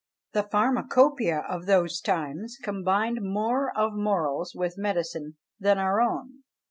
The pharmacopoeia of those times combined more of morals with medicine than our own.